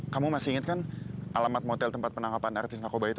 kamu masih inget kan alamat motel tempat penangkapan artis ngakoba itu